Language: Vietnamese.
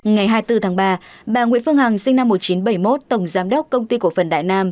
ngày hai mươi bốn tháng ba bà nguyễn phương hằng sinh năm một nghìn chín trăm bảy mươi một tổng giám đốc công ty cổ phần đại nam